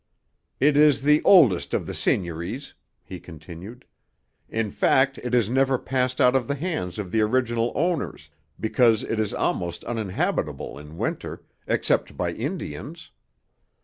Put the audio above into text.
"It is the oldest of the seigniories," he continued. "In fact, it has never passed out of the hands of the original owners, because it is almost uninhabitable in winter, except by Indians.